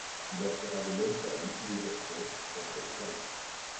Il en sera de même pour la mutualisation entre les services.